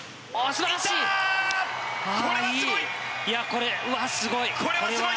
これ、うわ、すごい！